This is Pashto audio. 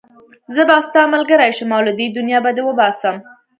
زه به ستا ملګری شم او له دې دنيا به دې وباسم.